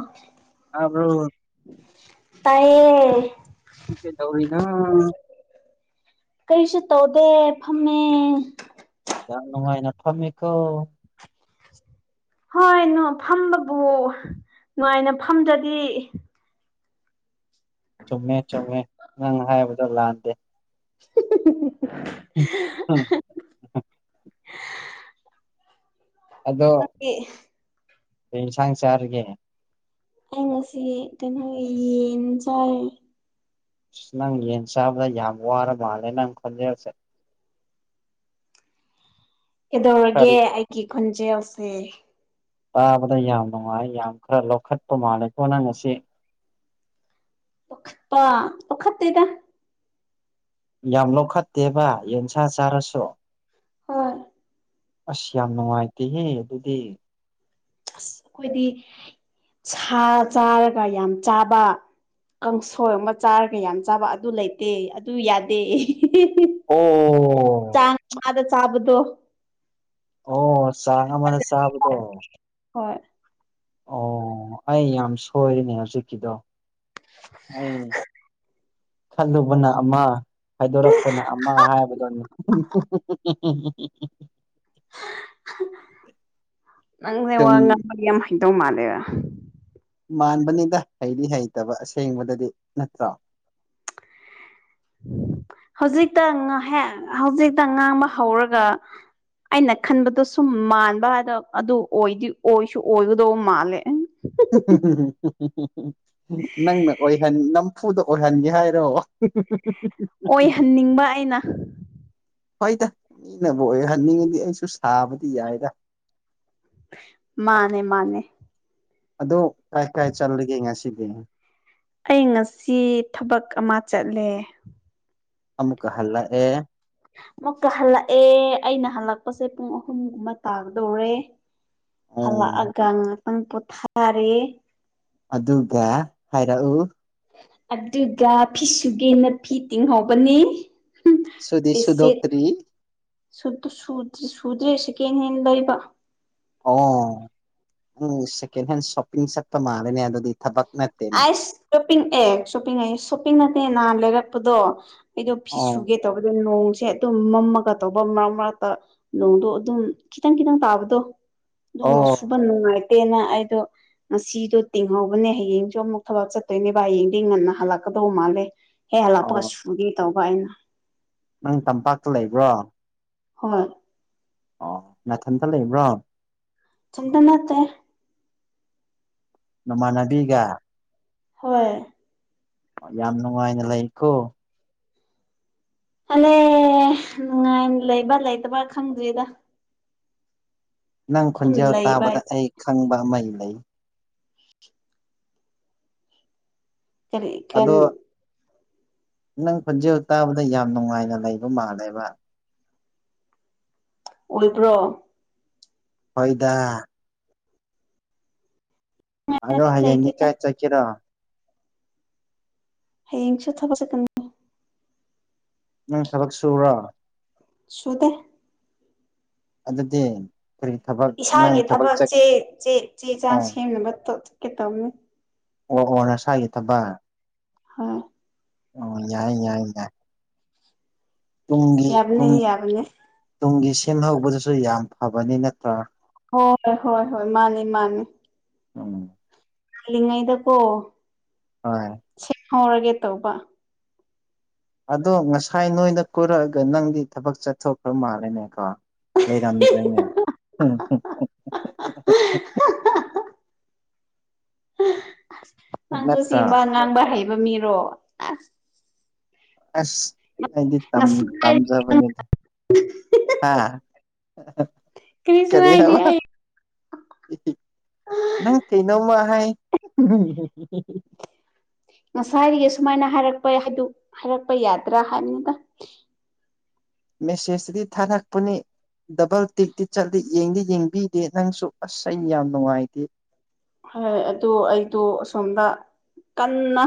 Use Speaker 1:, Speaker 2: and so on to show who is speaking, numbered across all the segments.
Speaker 1: ꯑꯣ
Speaker 2: ꯑꯕ꯭ꯔꯣ
Speaker 1: ꯇꯥꯏꯌꯦ
Speaker 2: ꯏꯦ ꯇꯧꯔꯤꯅ
Speaker 1: ꯀꯔꯤꯁꯨ ꯇꯧꯗꯦ ꯐꯝꯃꯦ
Speaker 2: ꯌꯥꯝ ꯅꯨꯡꯉꯥꯏꯅ ꯊꯃꯤꯀꯣ
Speaker 1: ꯍꯣꯏ ꯅꯣ ꯐꯝꯕꯕꯨ ꯅꯨꯡꯉꯥꯏꯅ ꯐꯝꯗ꯭ꯔꯗꯤ
Speaker 2: ꯆꯨꯝꯃꯦ ꯆꯨꯝꯃꯦ ꯅꯪ ꯍꯥꯏꯕꯗꯣ ꯂꯥꯟꯗꯦ
Speaker 1: [unintelligible]
Speaker 2: ꯎ ꯎꯝ
Speaker 1: ꯃꯥꯗꯤ
Speaker 2: ꯁꯪꯁ ꯁꯥꯔ ꯀꯦ
Speaker 1: ꯑꯩ ꯉꯁꯤ ꯀꯩꯅꯣ ꯌꯦꯟ ꯆꯥꯏ
Speaker 2: ꯑꯁ ꯅꯪ ꯌꯦꯟ ꯆꯥꯕꯗ ꯌꯥꯝ ꯋꯥꯔ ꯃꯥꯜꯂꯦ ꯅꯪ ꯈꯟꯖꯕꯁꯦ
Speaker 1: ꯀꯩꯗꯧꯔꯒꯦ
Speaker 2: ꯈꯔ
Speaker 1: ꯑꯩꯒꯤ ꯈꯣꯟꯖꯦꯜꯁꯦ
Speaker 2: ꯇꯥꯕꯗ ꯌꯥꯝ ꯅꯨꯡꯉꯥꯏ ꯌꯥꯝ ꯈꯔ ꯂꯧꯈꯠꯄ ꯃꯥꯜꯂꯦꯀꯣꯅ ꯉꯁꯤ
Speaker 1: ꯄꯈꯠꯇ ꯄꯈꯠꯇꯗ
Speaker 2: ꯌꯥꯝ ꯂꯧꯈꯠꯇꯦꯕ ꯌꯦꯟꯁꯥ ꯆꯥꯔꯁꯨ
Speaker 1: ꯍꯣꯏ
Speaker 2: ꯑꯁ ꯌꯥꯝ ꯅꯨꯡꯉꯥꯏꯇꯦꯍꯦ ꯑꯗꯨꯗꯤ
Speaker 1: ꯑꯁ ꯑꯩꯈꯣꯏꯗꯤ ꯁꯥ ꯆꯥꯔꯒ ꯌꯥꯝ ꯆꯥꯕ ꯀꯥꯡꯁꯣꯏ ꯑꯃ ꯆꯥꯔꯒ ꯌꯥꯝ ꯆꯥꯕ ꯑꯗꯨ ꯂꯩꯇꯦ ꯑꯗꯨ ꯌꯥꯗꯦ
Speaker 2: ꯑꯣ
Speaker 1: ꯆꯥꯡꯅꯥꯥꯗ ꯆꯥꯕꯗꯣ
Speaker 2: ꯑꯣ ꯆꯥꯡ ꯑꯃꯅ ꯆꯥꯕꯗꯣ
Speaker 1: ꯍꯣꯏ
Speaker 2: ꯑꯣ ꯑꯩ ꯌꯥꯝ ꯁꯣꯏꯔꯤꯅꯦ ꯍꯧꯖꯤꯛꯀꯤꯗꯣ ꯎꯝ ꯈꯜꯂꯨꯕꯅ ꯑꯃ ꯍꯥꯏꯗꯣꯔꯛꯄꯅ ꯑꯃ ꯍꯥꯏꯕꯗꯨꯅꯤ
Speaker 1: ꯅꯪꯖ‌ꯦ
Speaker 2: ꯁꯨꯝ
Speaker 1: ꯋꯥꯉꯥꯡꯕꯗꯤ ꯌꯥꯝ ꯍꯩꯗꯧ ꯃꯥꯜꯂꯦꯗ
Speaker 2: ꯃꯥꯟꯕꯅꯤꯗ ꯍꯩꯗꯤ ꯍꯩꯇꯕ ꯑꯁꯦꯡꯕꯗꯗꯤ ꯅꯠꯇ꯭ꯔꯣ
Speaker 1: [unintelligible] ꯍꯧꯖꯤꯛꯇꯦꯛ ꯍꯧꯖꯤꯛꯇ ꯉꯥꯡꯕ ꯍꯧꯔꯒ ꯑꯩꯅ ꯈꯟꯕꯗꯣ ꯁꯨꯝ ꯃꯥꯟꯕ ꯍꯥꯏꯗ ꯑꯗꯨ ꯑꯣꯏꯗꯤ ꯑꯣꯏꯁꯨ ꯑꯣꯏꯒꯗꯧꯕ ꯃꯥꯜꯂꯦ
Speaker 2: ꯅꯪꯅ ꯑꯣꯏꯍꯟ ꯅꯝꯐꯨꯗ ꯑꯣꯏꯍꯟꯒꯦ ꯍꯥꯏꯔꯣ [unintelligible]
Speaker 1: ꯑꯣꯏꯍꯟꯅꯤꯡꯕ ꯑꯩꯅ
Speaker 2: ꯍꯣꯏꯗ ꯃꯤꯅꯕꯨ ꯑꯣꯏꯍꯟꯅꯤꯡꯉꯗꯤ ꯑꯩꯁꯨ ꯁꯥꯕꯗꯤ ꯌꯥꯏꯗ
Speaker 1: ꯃꯥꯅꯦ ꯃꯥꯅꯦ
Speaker 2: ꯑꯗꯣ ꯀꯥꯏ ꯀꯥꯏ ꯆꯠꯂꯤꯒꯦ ꯉꯁꯤꯗꯤ
Speaker 1: ꯑꯩ ꯉꯁꯤ ꯊꯕꯛ ꯑꯃ ꯆꯠꯂꯦ
Speaker 2: ꯑꯃꯨꯛꯀ ꯍꯜꯂꯛꯑꯦ
Speaker 1: ꯑꯃꯨꯛꯀ ꯍꯜꯂꯛꯑꯦ ꯑꯩꯅ ꯍꯜꯂꯛꯄꯁꯦ ꯄꯨꯡ ꯑꯍꯨꯝꯒꯨꯝꯕ ꯇꯥꯒꯗꯧꯔꯦ
Speaker 2: ꯎꯝ
Speaker 1: ꯍꯜꯂꯛꯑꯒ ꯉꯥꯛꯇꯪ ꯄꯣꯊꯥꯔꯦ
Speaker 2: ꯑꯗꯨꯒ ꯍꯥꯏꯔꯛꯎꯨ
Speaker 1: ꯑꯗꯨꯒ ꯐꯤꯁꯨꯒꯦꯅ ꯐꯤ ꯇꯤꯡꯍꯧꯕꯅꯤ
Speaker 2: ꯁꯨꯗꯤ
Speaker 1: ꯐꯤꯁꯦ
Speaker 2: ꯁꯨꯗꯣꯛꯇ꯭ꯔꯤ
Speaker 1: ꯁꯨꯗ ꯁꯨꯔꯗꯔꯤ ꯁꯨꯗ꯭ꯔꯦ ꯁꯤꯀꯦꯟ ꯍꯦꯟ ꯂꯩꯕ
Speaker 2: ꯑꯣ ꯅꯪ ꯁꯦꯀꯦꯟ ꯍꯦꯟ ꯁꯣꯞꯄꯤꯡ ꯆꯠꯄ ꯃꯥꯜꯂꯅꯤ ꯑꯗꯨꯗꯤ ꯊꯕꯛ ꯅꯠꯇꯦꯅꯦ
Speaker 1: ꯑꯁ ꯁꯣꯞꯄꯤꯡ ꯑꯦ ꯁꯣꯞꯄꯤꯡ ꯑꯥꯌ‌ꯦ ꯁꯣꯞꯄꯤꯡ ꯅꯠꯇꯦ ꯅꯍꯥꯟ ꯂꯩꯔꯛꯄꯗꯣ ꯑꯩꯗꯣ
Speaker 2: ꯑꯣ
Speaker 1: ꯐꯤꯁꯨꯒꯦ ꯇꯧꯕꯗꯣ ꯅꯣꯡ ꯁꯦ ꯑꯗꯨꯝ ꯃꯝꯃꯒ ꯇꯧꯕ ꯃꯔꯛ ꯃꯔꯛꯇ ꯅꯣꯡꯗꯣ ꯑꯗꯨꯝ ꯈꯤꯇꯪ ꯈꯤꯇꯪ ꯇꯥꯕꯗꯣ ꯑꯗꯨꯅ ꯁꯨꯕ
Speaker 2: ꯑꯣ
Speaker 1: ꯅꯨꯡꯉꯥꯏꯇꯦꯅ ꯑꯩꯗꯣ ꯉꯁꯤꯗꯣ ꯇꯤꯡꯍꯧꯕꯅꯦ ꯍꯌꯦꯡ ꯗꫭ ꯑꯃꯨꯛ ꯊꯕꯛ ꯆꯠꯇꯣꯏꯅꯦꯕ ꯌꯦꯡꯗꯤ ꯉꯟꯅ ꯍꯜꯂꯛꯀꯗꯧ ꯃꯥꯜꯂꯦ ꯍꯦ ꯍꯜꯂꯛꯄꯒ
Speaker 2: ꯑꯣ
Speaker 1: ꯁꯨꯒꯤ ꯇꯧꯕ ꯑꯩꯅ
Speaker 2: ꯅꯪ ꯇꯝꯄꯥꯛꯇ ꯂꯩꯕ꯭ꯔꯣ
Speaker 1: ꯍꯣꯏ
Speaker 2: ꯑꯣ ꯅꯊꯟꯇꯥ ꯂꯩꯕ꯭ꯔꯣ
Speaker 1: ꯏꯊꯟꯇ ꯅꯠꯇꯦ
Speaker 2: ꯅꯃꯥꯟꯅꯕꯤꯒ
Speaker 1: ꯍꯣꯏ
Speaker 2: ꯌꯥꯝ ꯅꯨꯡꯉꯥꯏꯅ ꯂꯩꯀꯣ
Speaker 1: ꯑꯂꯦ ꯅꯨꯡꯉꯥꯏ ꯂꯩꯕ ꯂꯩꯇꯕ ꯈꯪꯗ꯭ꯔꯤꯗ
Speaker 2: ꯅꯪ
Speaker 1: ꯑꯗꯨꯝ
Speaker 2: ꯈꯣꯟꯖꯦꯜ
Speaker 1: ꯂꯩꯕ
Speaker 2: ꯇꯥꯕꯗ ꯑꯩ ꯈꯪꯕ ꯑꯃ ꯂꯩ
Speaker 1: ꯀꯔꯤ ꯀꯟ
Speaker 2: ꯑꯗꯣ ꯅꯪ ꯈꫭꯟꯖꯦꯜ ꯇꯥꯕꯗ ꯌꯥꯝ ꯅꯨꯡꯉꯥꯏꯅ ꯂꯩꯕ ꯃꯥꯜꯂꯦꯕ
Speaker 1: ꯑꯣꯏꯕ꯭ꯔꯣ
Speaker 2: ꯍꫭꯏꯗ ꯑꯗꫭ ꯍꯌꯦꯡꯗꯤ
Speaker 1: ꯂꯩꯇꯦꯗ
Speaker 2: ꯀꯥꯏ ꯆꯠꯀꯦꯔꯣ
Speaker 1: ꯍꯌꯦꯡꯁꯨ ꯊꯕꯛ ꯆꯟꯀꯅꯤ
Speaker 2: ꯅꯪ ꯊꯕꯛ ꯁꯨꯕꯔꯣ
Speaker 1: ꯁꯨꯗ‌ꯦ
Speaker 2: ꯑꯗꯨꯗꯤ ꯀꯔꯤ ꯊꯕꯛ ꯅꯪ
Speaker 1: ꯏꯁꯥꯒꯤ ꯊꯕꯛ
Speaker 2: ꯆꯠ
Speaker 1: ꯆꯦ ꯆ‌ꯦ ꯆꯦ ꯆꯥꯡ
Speaker 2: ꯑꯣ
Speaker 1: ꯁꯦꯝꯅꯕ ꯆꯠꯀꯦ ꯇꯧꯕꯅꯤ
Speaker 2: ꯑꯣ ꯑꯣ ꯅꯁꯥꯒꯤ ꯊꯕꯛ
Speaker 1: ꯍꯥꯎ [unintelligible]
Speaker 2: ꯑꯣ ꯌꯥꯏ ꯌꯥꯏ ꯌꯥꯏ ꯇꯨꯡꯒꯤ
Speaker 1: ꯌꯥꯕꯅꯤ
Speaker 2: ꯇꯨꯡꯒꯤ
Speaker 1: ꯌꯥꯕꯅꯤ
Speaker 2: ꯇꯨꯡꯒꯤ ꯁꯦꯝꯍꯧꯕꯗꯁꯨ ꯌꯥꯝ ꯐꯕꯅꯤ ꯅꯠꯇ꯭ꯔꯥ
Speaker 1: ꯍꯣꯏ ꯍꯣꯏ ꯍꯣꯏ ꯍꯣꯏ ꯃꯥꯅꯤ ꯃꯥꯅꯤ
Speaker 2: ꯎꯝ
Speaker 1: ꯀꯜꯂꯤꯉꯩꯗ ꯀꯣ
Speaker 2: ꯍꯣꯏ
Speaker 1: ꯍꯔꯒꯦ ꯇꯧꯧꯕ
Speaker 2: ꯑꯗꯣ ꯉꯁꯥꯏ ꯅꯣꯏꯅ ꯀꯣꯏꯔꯛꯑꯒ ꯅꯪꯗꯤ ꯊꯕꯛ ꯆꯠꯊꯣꯛꯈ꯭ꯔ ꯃꯥꯜꯂꯦꯅꯦꯀꯣ ꯦꯗꯥꯥꯟꯗ꯭ꯔꯦꯅꯦ
Speaker 1: ꯅꯪꯁꯨ
Speaker 2: ꯅꯠꯇ꯭ꯔꯥ
Speaker 1: ꯆꯤꯡꯕ ꯉꯥꯡꯕ ꯍꯩꯕ ꯃꯤꯔꯣ ꯑꯁ
Speaker 2: ꯑꯦꯁ ꯍꯥꯏꯗꯤ ꯇ
Speaker 1: ꯉꯁꯥꯏ
Speaker 2: ꯇꯝꯖꯕꯅꯤꯗ ꯍꯥꯥ
Speaker 1: ꯀꯔꯤꯁꯨ
Speaker 2: ꯀꯔꯤ
Speaker 1: ꯍꯥꯏꯗꯦ
Speaker 2: ꯍꯥꯏꯕ
Speaker 1: ꯑꯩ
Speaker 2: ꯅꯪ ꯀꯩꯩꯅꯧꯃ ꯍꯥꯏ
Speaker 1: ꯉꯁꯥꯏꯔꯤꯗꯒꯤ ꯁꯨꯃꯥꯏꯅ ꯍꯥꯏꯔꯛꯄ ꯍꯥꯏꯔꯛꯄ ꯌꯥꯗ꯭ꯔꯥ ꯍꯥꯏꯕꯅꯤꯗ
Speaker 2: ꯃꯦꯁꯦꯖꯗꯤ ꯊꯥꯔꯛꯄꯅꯤ ꯗꯕꯜ ꯇꯤꯛꯇꯤ ꯆꯠꯂꯤ ꯌꯦꯡꯗꯤ ꯌꯦꯡꯕꯤꯗꯦ ꯅꯪꯁꯨ ꯑꯁ ꯑꯩꯅ ꯌꯥꯝ ꯅꯨꯡꯉꯥꯏꯇꯦ
Speaker 1: ꯍꯣꯏ ꯑꯗꯨ ꯑꯩꯗꯣ ꯑꯁꯣꯝꯗ ꯀꯟꯅ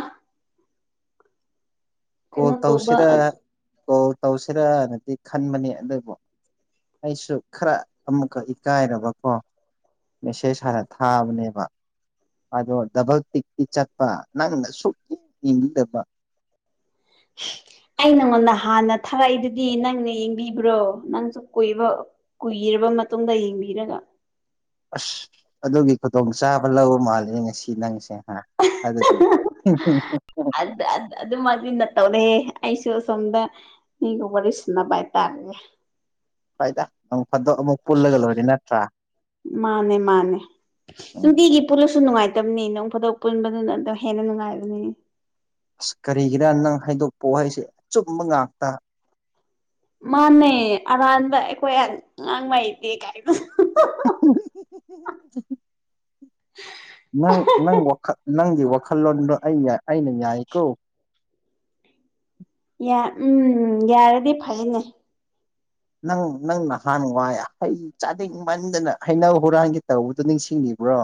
Speaker 2: ꯀꯣꯜ ꯇꯧꯁꯤꯔ ꯀꯣꯜ ꯇꯧꯁꯤꯔꯥꯅꯗꯤ ꯈꯟꯕꯅꯤ ꯑꯗꯨꯕꯨ ꯑꯩꯁꯨ ꯈꯔ ꯑꯃꯨꯛꯀ ꯏꯀꯥꯏꯔꯕꯀꯣ ꯃꯦꯁꯦꯖ ꯍꯥꯏꯔ ꯊꯥꯕꯅꯦꯕ ꯑꯗꯣ ꯗꯕꯜ ꯇꯤꯛꯇꯛꯇꯤ ꯆꯠꯄ ꯅꯪꯅ ꯁꯨꯛꯀꯤ ꯏꯡꯗꯕ
Speaker 1: ꯑꯩ ꯅꯉꯣꯟꯗ ꯍꯥꯟꯅ ꯊꯥꯔꯛꯏꯗꯨꯗꯤ ꯅꯪꯅ ꯌꯦꯡꯕꯤ ꯀꯕ꯭ꯔꯣ ꯅꯪꯁꯨ ꯀꯨꯏꯕ ꯀꯨꯏꯔꯕ ꯃꯇꯨꯡꯗ ꯌꯦꯡꯕꯤꯔꯒ
Speaker 2: ꯑꯁ ꯑꯗꯨꯒꯤ ꯈꯨꯗꯣꯡꯆꯥꯥꯕ ꯂꯧꯕ ꯃꯥꯂꯦ ꯉꯁꯤ ꯅꯪꯁꯦ ꯍꯥ ꯑꯗꯨꯗꯤ ꯎꯝ ꯍꯨꯝ
Speaker 1: ꯑꯗ ꯑꯗꯨ ꯑꯗꯨ ꯃꯥ ꯅꯠꯇꯧꯅꯦ ꯑꯩꯁꯨ ꯋꯥꯁꯝꯗ ꯏ ꯋꯥꯔꯤꯔ ꯁꯟꯅ ꯄꯥꯏ ꯇꯥꯔꯒꯦ
Speaker 2: ꯍꯣꯏꯗ ꯅꯪ ꯐꯗꯣꯛ ꯑꯃꯨꯛ ꯄꯨꯜꯂꯒ ꯂꯣꯏꯔ ꯅꯠꯇ꯭ꯔꯥ
Speaker 1: ꯃꯥꯅꯦ ꯃꯥꯅꯦ
Speaker 2: ꯎꯝ
Speaker 1: ꯅꯨꯡꯇꯒꯤ ꯄꯨꯂꯁꯨ ꯅꯨꯡꯉꯥꯏꯇ ꯕꯅꯤ ꯅꯪ ꯐꯗꯣꯛ ꯄꯨꯟꯕꯗꯨꯅ ꯑꯗꯨꯝ ꯍꯦꯟꯅ ꯅꯨꯡꯉꯥꯏꯕꯅꯤ
Speaker 2: ꯑꯁ ꯀꯔꯤꯒꯤꯔꯥ ꯅꯪ ꯍꯥꯏꯗꯣꯛꯄꯑꯣ ꯍꯥꯏꯁꯦ ꯑꯆꯨꯝꯕ ꯉꯥꯛꯇ
Speaker 1: ꯃꯥꯅꯩ ꯑꯔꯥꯟꯕ ꯑꯩꯈꯣꯏ ꯑꯉꯥꯡ ꯃꯩꯗꯦ ꯀꯥꯏꯗ
Speaker 2: [unintelligible] ꯅꯪ ꯅꯪꯒꯤ ꯋꯥꯈꯜꯂꯣꯟꯗꯣ ꯑꯩ ꯑꯩꯅ ꯌꯥꯏꯀꯣ
Speaker 1: ꯎꯝ ꯌꯥꯔꯗꯤ ꯐꯩꯅꯦ
Speaker 2: ꯅꯪ ꯅꯪ ꯅꯍꯥꯟ ꯋꯥꯏ ꯍꯩ ꯆꯥꯅꯤꯡꯡ ꯃꯟꯗꯅ ꯍꯩꯅꯧ ꯍꯨꯔꯥꯟꯒꯤ ꯇꯧꯕꯗꯨꯣ ꯅꯤꯡꯁꯤꯡꯉꯕ ꯭ꯔꯣ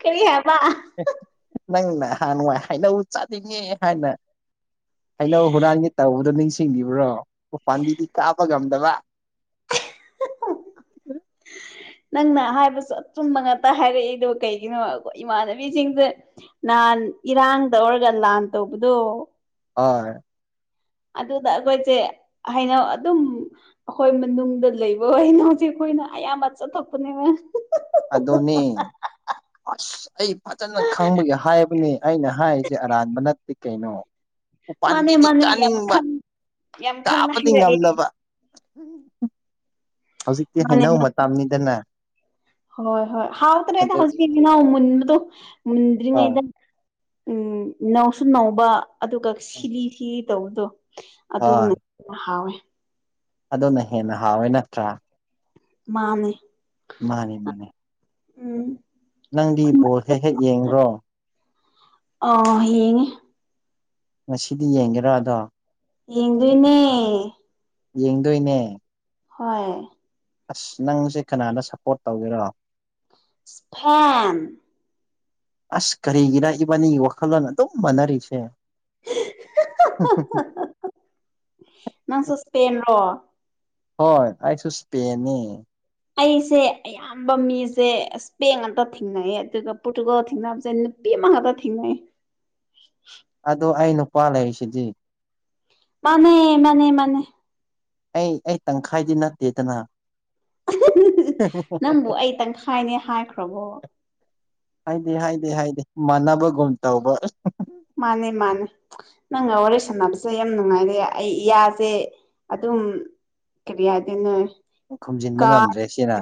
Speaker 1: ꯀꯔꯤꯌꯥꯃ
Speaker 2: ꯅꯪꯅ ꯍꯍꯥꯟꯋꯥꯏ ꯍꯩꯅꯧ ꯆꯥꯅꯤꯡꯉꯦ ꯍꯥꯏꯅ ꯍꯩꯅꯧ ꯍꯨꯔꯥꯟꯒꯤ ꯇꯧꯕꯗꯣ ꯅꯤꯡꯁꯤꯡ ꯁꯤꯡꯕ꯭ꯔꯣ ꯎ ꯄꯥꯕꯤꯗꯤ ꯀꯥ ꯗꯕ
Speaker 1: ꯅꯪꯅ ꯍꯥꯏꯕꯁꯨ ꯑꯆꯨꯝꯕ ꯉꯥꯛꯇ ꯍꯥꯏꯔꯛꯏꯗꯨ ꯀꯩꯒꯤꯅꯣ ꯏꯃꯥꯟꯅꯕꯤꯁꯤꯡꯁꯦ ꯅꯍꯥꯟ ꯏꯔꯥꯡꯗꯧꯔꯒ ꯂꯥꯟ ꯇꯧꯕꯗꯣ
Speaker 2: ꯍ
Speaker 1: ꯑꯗꯨꯗ ꯑꯩꯈꯣꯏꯁꯦ ꯍꯥꯏꯅ ꯑꯗꯨꯝ ꯑꯩꯈꯣꯏ ꯃꯅꯨꯡꯗ ꯂꯩꯕꯅ ꯍꯧꯖꯤꯛ ꯣꯏꯅ ꯑꯕ ꯊ ꯊꯣꯛꯄꯅꯦꯕ
Speaker 2: ꯑꯗꯣꯅꯦ ꯑꯁ ꯑꯩ ꯐꯖꯅ ꯈꯪꯕꯒꯤ ꯍꯥꯏꯕꯅꯤ ꯑꯩꯅ ꯍꯥꯏꯔꯤꯁꯦ ꯑꯔꯥꯟꯕ ꯅꯠꯇꯦ ꯀꯩꯅꯣ
Speaker 1: ꯃꯥꯅꯦ
Speaker 2: ꯎꯄꯥꯥꯟꯝꯕꯤꯗꯤ
Speaker 1: ꯃꯥꯅꯦ ꯌꯥꯝ
Speaker 2: ꯀꯥꯅꯤꯡꯕ
Speaker 1: ꯈꯪ ꯌꯥꯝ ꯈꯪꯅ
Speaker 2: ꯀꯥꯄꯗꯤ
Speaker 1: ꯍꯥꯏꯔꯛꯑꯦ
Speaker 2: ꯉꯝꯗꯕ ꯍꯧꯖꯤꯛꯇꯤ
Speaker 1: ꯃꯥꯅꯦ
Speaker 2: ꯍꯩꯅꯧ
Speaker 1: ꯃꯥꯅꯦ
Speaker 2: ꯃꯇꯝꯅꯤꯅꯤꯗꯅꯦ
Speaker 1: ꯍꯣꯏ ꯍꯣꯏ ꯍꯥꯎ ꯇꯔ
Speaker 2: ꯍꯣꯏ
Speaker 1: ꯃꯨꯟꯗ꯭ꯔꯤꯉꯩꯗ ꯎꯝ ꯏꯅꯧꯁꯨꯨꯝ ꯅꯧꯕ ꯑꯗꯨꯒ ꯁꯤꯂꯤ ꯁꯤ ꯇꯧꯕꯗꯣ
Speaker 2: ꯍꯣꯏ
Speaker 1: ꯑꯗꯨꯅ ꯍꯥꯎꯋꯦ
Speaker 2: ꯑꯗꯨꯅ ꯍꯦꯟꯅ ꯍꯥꯎꯋꯦ ꯅꯠꯇ꯭ꯔꯥ
Speaker 1: ꯃꯥꯅꯦ
Speaker 2: ꯃꯥꯅꯤ ꯃꯥꯅꯦ
Speaker 1: ꯎꯝ
Speaker 2: ꯅꯪꯗꯤ ꯕꯣꯜ ꯍꯦꯛ ꯍꯦꯛ ꯌꯦꯡ꯭ꯔꯣ
Speaker 1: ꯑ ꯍꯡꯉ
Speaker 2: ꯉꯁꯤꯗꯤ ꯌꯦꯡꯒꯦꯔ ꯑꯗꯣ
Speaker 1: ꯌꯦꯗꯨꯅꯦ
Speaker 2: ꯌꯦꯡꯗꯣꯏꯅꯦ
Speaker 1: ꯍꯣꯏ
Speaker 2: ꯑꯁ ꯅꯪꯁꯦ ꯀꯅꯥꯅ ꯁꯞꯄꯣꯔꯠ ꯇꯧꯒꯦꯔꯣ
Speaker 1: ꯏꯁꯄꯦꯟ
Speaker 2: ꯑꯁ ꯀꯔꯤꯒꯤꯔ ꯏꯕꯥꯅꯤꯒꯤ ꯋꯥꯈꯜꯂꯣꯟ ꯑꯗꯨꯝ ꯃꯥꯟꯅꯔꯤꯁꯦ
Speaker 1: ꯅꯪꯁꯨ ꯁꯄꯦꯟꯔꯣ
Speaker 2: ꯍꯣꯏ ꯑ ꯁ ꯁꯄꯦꯅꯤ
Speaker 1: ꯑꯩꯁꯦ ꯑꯌꯥꯝꯕ ꯃꯤꯁꯦ ꯏꯁꯄꯦꯡ ꯑꯝꯇ ꯊꯦꯡꯅꯩꯌꯦ ꯑꯗꯨꯒ ꯄꯣꯔꯇꯨꯒꯜ ꯊꯦꯡꯅꯕꯁꯦ ꯃꯉꯕ ꯊꯦꯡꯉ
Speaker 2: ꯑꯗꯣ ꯑꯩ ꯅꯨꯄꯥ ꯂꯩꯔꯤꯁꯤꯗꯤ
Speaker 1: ꯃꯥꯅꯦ ꯃꯥꯅꯦ ꯃꯥꯅꯦ
Speaker 2: ꯑꯩ ꯑꯩ ꯇꯪꯈꯥꯏꯗꯤ ꯅꯠꯇꯦꯗꯅ
Speaker 1: ꯅꯪꯕꯨ ꯑꯩ ꯇꯪꯈꯥꯏꯅꯦ ꯍꯥꯏꯈ꯭ꯔꯕꯣ
Speaker 2: ꯍꯥꯏꯗꯤ ꯍꯥꯏꯗꯤ ꯍꯥꯏꯗꯤ ꯃꯥꯟꯅꯕꯒꯨꯝ ꯇꯧꯕ
Speaker 1: ꯃꯥꯅꯦ ꯃꯥꯅꯦ ꯅꯪꯒ ꯋꯥꯔꯤ ꯁꯥꯟꯅꯕꯁꯦ ꯌꯥꯝ ꯅꯨꯡꯉꯥꯏꯔꯦ ꯑꯩ ꯏꯁꯦ ꯑꯗꯨ ꯑꯗꯨ ꯀꯔꯤꯌꯥꯗꯅ
Speaker 2: ꯈꯨꯝꯖꯤꯟꯕ
Speaker 1: ꯀꯥ
Speaker 2: ꯉꯝꯗ꯭ꯔꯦ ꯁꯤꯅ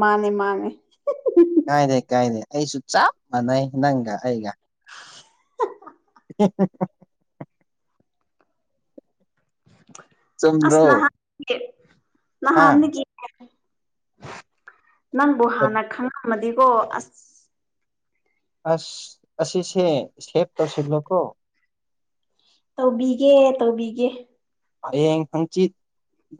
Speaker 1: ꯃꯥꯅꯦ ꯃꯥꯅꯦ
Speaker 2: ꯀꯥꯏꯅꯤ ꯑꯩꯁꯨ ꯆꯞ ꯃꯥꯟꯅꯩ ꯅꯪꯒ ꯑꯩꯒ [unintelligible] ꯆꯨꯝꯗ꯭ꯔꯣ
Speaker 1: ꯑꯁꯅꯍꯥꯟ
Speaker 2: ꯍꯥ
Speaker 1: ꯅꯍꯥꯟ ꯅꯪꯕꯨ ꯍꯥꯟꯅ ꯈꯪꯉꯝꯃꯗꯤꯀꯣ ꯑꯁ
Speaker 2: ꯑꯁ ꯑꯁꯤꯁꯦ ꯁꯦꯚ ꯇꯧꯁꯤꯜꯂꯣꯀꯣ
Speaker 1: ꯇꯧꯕꯤꯒꯦ ꯇꯧꯕꯤꯒꯦ
Speaker 2: ꯍꯔꯦꯡ ꯍꯪꯆꯤꯠ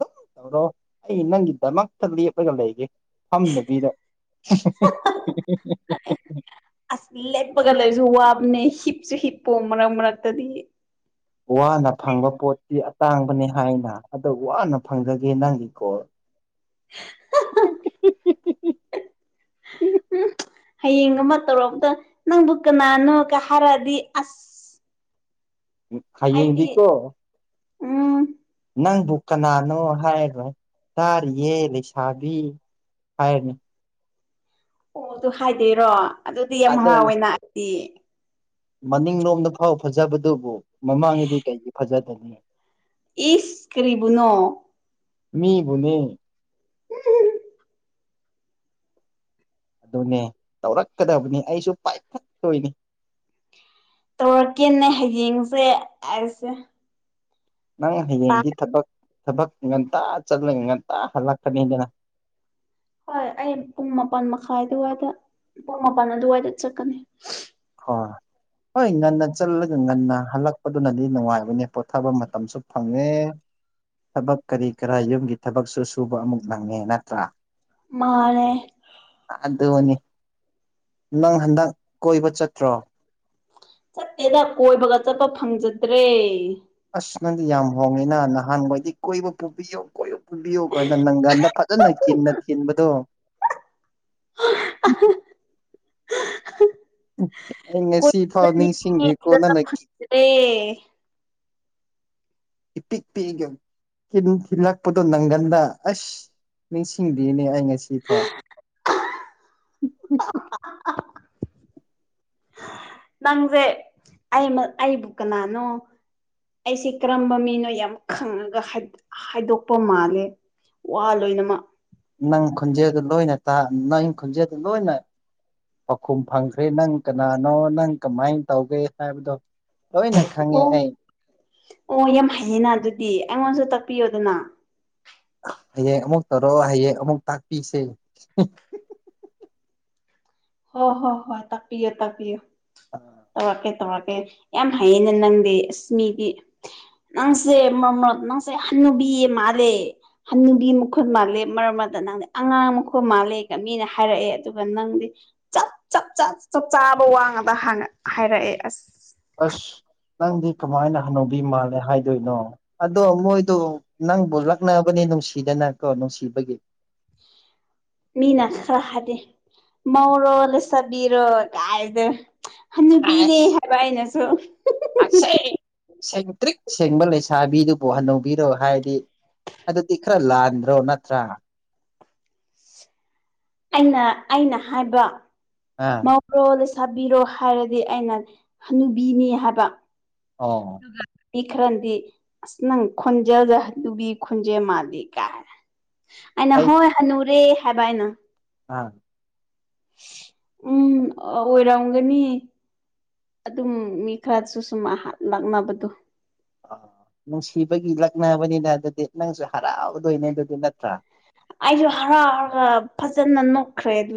Speaker 2: ꯑꯗꯨꯝ ꯇꯧꯔꯣ ꯑꯩ ꯅꯪꯒꯤꯗꯃꯛꯇ ꯂꯦꯞꯂꯒ ꯂꯩꯒꯦ ꯐꯝꯗꯕꯤꯗ
Speaker 1: ꯑꯁ ꯂꯦꯞꯄꯒ ꯂꯩꯁꯨ ꯋꯥ ꯍꯤꯞꯁꯨ ꯍꯤꯞꯄꯣ ꯃꯔꯛ ꯃꯔꯛꯇꯗꯤ
Speaker 2: ꯋꯥꯅ ꯐꯪꯕ ꯄꯣꯠꯇꯁꯤꯤ ꯑꯇꯥꯡꯕꯅꯤ ꯍꯥꯏꯅ ꯑꯗꯣ ꯋꯥꯅ ꯐꯪꯖꯒꯦ ꯅꯪꯒꯤ ꯀꯣꯜ
Speaker 1: [unintelligible]
Speaker 2: [unintelligible]
Speaker 1: ꯎꯝ ꯍꯌꯦꯡ ꯑꯃ ꯇꯧꯔꯔꯕꯗ ꯅꯪꯕꯨ ꯀꯅꯥꯅꯣꯒ ꯍꯥꯏꯔꯛꯑꯗꯤ ꯑꯁ
Speaker 2: ꯎ
Speaker 1: ꯑꯩꯗꯤ
Speaker 2: ꯈꯥꯏꯌꯦꯗꯤꯀꯣ
Speaker 1: ꯎꯝ
Speaker 2: ꯅꯪꯕꯨ ꯀꯅꯥꯅꯣ ꯍꯥꯏꯕ ꯇꯥꯔꯤꯌꯦ ꯂꯩꯁꯥꯕꯤ ꯍꯥꯏꯅꯤ
Speaker 1: ꯑꯣ ꯑꯗꯨ ꯍꯥꯏꯗꯣꯏꯔꯣ ꯑꯗꯨꯗꯤ ꯌꯥꯝ
Speaker 2: ꯑꯗꯣꯅꯦ
Speaker 1: ꯍꯔꯥꯎꯋꯦꯅ ꯑꯩꯗꯤ
Speaker 2: ꯃꯅꯤꯡꯂꯣꯝꯗ ꯐꯥꯎ ꯐꯖꯕꯗꯨꯕꯨ ꯃꯃꯥꯡꯗꯗꯤ ꯀꯩꯒꯤ ꯐꯖꯗꯅꯤ
Speaker 1: ꯏꯁ ꯀꯔꯤꯕꯔꯤꯕꯨꯅꯣ
Speaker 2: ꯃꯤꯕꯨꯣꯅꯦ
Speaker 1: [unintelligible]
Speaker 2: ꯑꯗꯨꯅꯦ ꯇꯧꯔꯛꯀꯗꯕꯅꯤ ꯑꯩꯁꯨ ꯄꯥꯏꯈꯠꯇꯣꯏꯅꯤ
Speaker 1: ꯇꯧꯔꯛꯀꯦꯅꯦ ꯍꯌꯦꯡꯁꯦ ꯑꯩꯁꯦ
Speaker 2: ꯅꯪ ꯍꯌꯦꯡꯗꯤ ꯊꯕꯛ ꯊꯕꯛ ꯉꯟꯇꯥ ꯆꯠꯂꯒ ꯉꯟꯇ ꯍꯜꯂꯛꯀꯅꯤꯗꯅ
Speaker 1: ꯍꯣꯏ ꯑꯩ ꯄꯨꯡ ꯃꯥꯄꯜ ꯃꯈꯥꯏ ꯑꯗꯨꯋꯥꯏꯗ ꯄꯨꯡ ꯃꯥꯄꯜ ꯑꯗꯨꯋꯥꯏꯗ ꯆꯠꯀꯅꯤ
Speaker 2: ꯍ ꯍꯣꯏ ꯉꯟꯅ ꯆꯠꯂꯒ ꯉꯟꯅ ꯍꯜꯂꯛꯄꯗꯨꯅꯗꯤ ꯅꯨꯡꯉꯥꯏꯕꯅꯦ ꯄꯣꯊꯥꯕ ꯃꯇꯝꯁꯨ ꯐꯪꯉꯦ ꯊꯕꯛ ꯀꯔꯤ ꯀꯔꯥ ꯌꯨꯝꯒꯤ ꯊꯕꯛꯁꯨ ꯁꯨꯕ ꯑꯃꯨꯛ ꯅꯪꯉꯦ ꯅꯠꯇ꯭ꯔꯥ
Speaker 1: ꯃꯥꯔꯦ
Speaker 2: ꯑꯗꯨꯅꯤ ꯅꯪ ꯍꯟꯗꯛ ꯀꯣꯏꯕ ꯆꯠꯇ꯭ꯔꯣ
Speaker 1: ꯆꯠꯇꯠꯇꯦꯗ ꯀꯣꯏꯕꯒ ꯆꯠꯄ ꯐꯪꯖꯗ꯭ꯔꯦ
Speaker 2: ꯑꯁ ꯅꯪꯗꯤ ꯌꯥꯝ ꯍꯣꯡꯉꯤꯅ ꯅꯍꯥꯟꯋꯥꯣꯏꯗꯤ ꯀꯣꯏꯕ ꯄꯨꯕꯤꯌꯨ ꯀꯣꯏꯨ ꯀꯌꯒ ꯅ ꯅꯪ ꯐꯖꯟꯅ ꯀꯤꯟꯅ ꯀꯤꯟꯕꯗꯣ ꯑꯩ ꯉꯁꯤ
Speaker 1: ꯀꯣꯏꯕ
Speaker 2: ꯐꯥꯎ
Speaker 1: ꯆꯠꯅꯤꯡꯉꯦ ꯆꯠꯄ
Speaker 2: ꯅꯤꯡꯁꯤꯡꯉꯦꯀꯣꯅꯅꯛꯀꯤ
Speaker 1: ꯐꯪꯗ꯭ꯔꯦ [unintelligible]
Speaker 2: ꯏ ꯄꯤ ꯄꯤꯒꯦꯝ ꯤꯟ ꯊꯤꯜꯂꯛꯄꯗꯣ ꯅꯪꯒꯟꯗ ꯑꯁ ꯅꯤꯡꯁꯤꯡꯗꯅꯦ ꯑꯩ ꯉꯁꯤ ꯁꯤꯐꯥ
Speaker 1: ꯅꯪꯁꯦ ꯑꯩ ꯑꯩꯕꯨ ꯀꯅꯥꯅꯣ ꯑꯩꯁꯦ ꯀꯔꯝꯕ ꯃꯤꯅꯣ ꯌꯥꯝ ꯈꯪꯉꯒ ꯍꯥꯏꯗꯣꯛꯄ ꯃꯥꯜꯂꯦ ꯋꯥ ꯂꯣꯏꯅꯃꯛ
Speaker 2: ꯅꯪ ꯈꯨꯣꯟꯖꯦꯗ ꯂꯣꯏꯅ ꯇ ꯅꯪ ꯈꯨꯣꯟꯖꯦꯗ ꯂꯣꯏꯅ ꯄꯥꯎꯈꯨꯝ ꯐꯪꯈ꯭ꯔꯦ ꯅꯪ ꯀꯅꯥꯅꯣ ꯅꯪ ꯀꯃꯥꯏꯅ ꯇꯧꯒꯦ ꯍꯥꯏꯕꯗꯣ ꯂꯣꯏꯅ ꯈꯪꯉꯦ
Speaker 1: ꯑꯣ
Speaker 2: ꯑꯩ
Speaker 1: ꯑꯣ ꯌꯥꯝ ꯍꯩꯌꯦꯅ ꯑꯗꯨꯗꯤ ꯑꯩꯉꯣꯟꯁꯨ ꯇꯥꯛꯄꯤꯌꯣꯗꯅ
Speaker 2: ꯍꯌꯦꯡ ꯑꯃꯨꯛ ꯇꯧꯔꯣꯑꯣ ꯍꯌꯦꯡ ꯑꯃꯨꯛ ꯇꯥꯛꯄꯤꯁꯦ
Speaker 1: ꯍꯣꯏ ꯍꯣꯏ ꯍꯣꯏ ꯇꯥꯛꯄꯤꯌꯣ ꯇꯥꯛꯄꯤꯌꯣ ꯇꯀꯦ ꯇꯦ ꯌꯥꯝ ꯍꯩꯌꯦꯅꯦ ꯅꯪꯗꯤ ꯑꯁꯃꯤꯗꯤ ꯅꯪꯁꯦ ꯃꯃꯠ ꯅꯪꯁꯦ ꯍꯨꯕꯤ ꯏ ꯃꯥꯜꯂꯦ ꯍ ꯅꯨꯕꯤ ꯃꯈꯨꯠ ꯃꯥꯜꯂꯦ ꯃꯔꯝ ꯑꯗꯨꯅ ꯅꯪ ꯑꯉꯥꯡ ꯃꯈꯨꯠ ꯃꯥꯜꯂꯦꯒ ꯃꯤꯅ ꯍꯥꯏꯔ ꯍꯥꯏꯔꯛꯑꯦ ꯑꯗꯨꯒ ꯅꯪꯗꯤ ꯆꯞ ꯆꯞ ꯆ ꯆꯞ ꯆꯥꯕ ꯋꯥꯡꯉꯗ ꯍꯥꯏꯔꯛꯑꯦ ꯑꯁ
Speaker 2: ꯑꯁ ꯅꯪꯗꯤ ꯀꯃꯥꯏꯅ ꯍꯅꯧꯕꯤ ꯃꯥꯜꯂꯦ ꯍꯥꯏꯗꯣꯏꯅꯣ ꯑꯗꯣ ꯃꯣꯏꯗꯣ ꯅꯪꯕꯨ ꯂꯛꯅꯕꯅꯤꯅ ꯅꯨꯡꯁꯤꯗꯅ ꯀꯣ ꯅꯨꯡꯁꯤꯕꯒꯤ
Speaker 1: [unintelligible] ꯃꯤꯅ ꯈꯔ ꯍꯥꯏꯗꯤ ꯃꯧꯔꯣ ꯂꯩꯁꯕꯤꯔꯣ ꯀꯥꯏꯗꯦ ꯅꯨꯄꯤꯅꯦ
Speaker 2: ꯑꯁ
Speaker 1: ꯍꯥꯏꯕꯅꯁꯨ
Speaker 2: ꯑꯁꯦꯡ ꯁꯦꯡꯇ꯭ꯔꯤꯛ ꯁꯦꯡꯕ ꯂꯩꯁꯥꯕꯤꯗꯨꯕꯨ ꯍꯟꯅꯧꯕꯤꯔꯣ ꯍꯥꯏꯗꯤ ꯑꯗꯨꯗꯤ ꯈꯔ ꯂꯥꯟꯗ꯭ꯔꯣ ꯅꯠꯇ꯭ꯔꯥ
Speaker 1: ꯑꯩꯅ ꯑꯩꯅ ꯍꯥꯏꯕ
Speaker 2: ꯑꯥ
Speaker 1: ꯃꯧꯔꯣ ꯆꯥꯕꯤꯔꯣ ꯍꯥꯏꯔꯗꯤ ꯑꯩꯅ ꯍꯅꯨꯕꯤꯅꯤ ꯍꯥꯏꯕ
Speaker 2: ꯑꯣ
Speaker 1: ꯑꯗꯨꯒ ꯄ ꯈꯔꯗꯤ ꯑꯁ ꯅꯪ ꯈꯣꯟꯖꯦꯜ ꯑꯗꯨꯕꯤ ꯈꯣꯟꯖꯦꯜ ꯃꯥꯜꯂꯤꯦ ꯀꯥꯏ ꯑꯩꯅ
Speaker 2: ꯑꯩ
Speaker 1: ꯍꯣꯏ ꯍꯅꯨꯔꯦ ꯍꯥꯏꯕ ꯍꯥꯏꯅ
Speaker 2: ꯑꯥ
Speaker 1: ꯎꯝ ꯑꯣꯏꯔꯎꯒꯅꯤ ꯑꯗꯨꯝ ꯃꯤ ꯈꯔꯁꯨ ꯁꯨꯝ ꯂꯥꯛꯅꯕꯗꯨ
Speaker 2: ꯑ ꯅꯨꯡꯁꯤꯕꯒꯤ ꯂꯛꯅꯕꯅꯤꯅ ꯑꯗꯨꯗꯤ ꯅꯪꯁꯨ ꯍꯔꯥꯎꯗꯣꯏꯅꯦ ꯑꯗꯨꯗꯤ ꯅꯠꯇ꯭ꯔꯥ
Speaker 1: ꯑꯩꯁꯨ ꯍꯔꯥꯎꯔ ꯐꯖꯅ ꯅꯣꯛꯈ꯭ꯔꯦ ꯑꯗꯨ